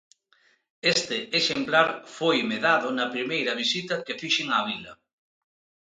Este exemplar foime dado na primeira visita que fixen á vila.